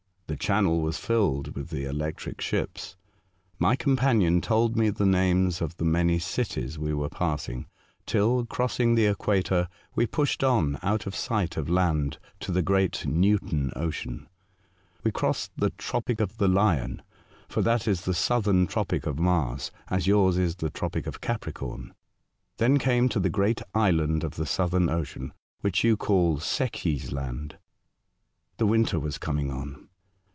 The channel was filled with the electric ships. My companion told me the names The Voyage of Circumnavigation. 141 of the many cities we were passing till, crossing the equator, we pushed on out of sight of land to the great Newton Ocean. "We crossed the *' tropic of the Lion " (for that is the southern tropic of Mars, as yours is the tropic of Capricorn), then came to the great island of the Southern Ocean, which you call Secchi's Land. The winter was coming on.